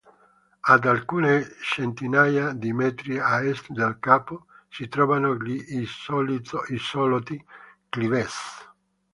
Ad alcune centinaia di metri a est del capo si trovano gli isolotti "Klidés".